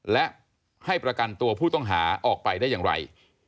และให้ประกันตัวผู้ต้องหาออกไปได้อย่างไร